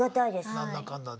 何だかんだで。